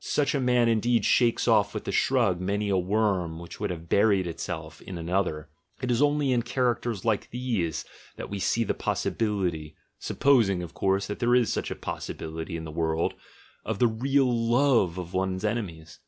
Such "GOOD AND EViiv "GOOD AND BAD" 21 a man indeed shakes off with a shrug many a worm which would have buried itself in another; it is only in characters like these that we see the possibility (suppos ing, of course, that there is such a possibility in the world) of the real "love of one's enemies."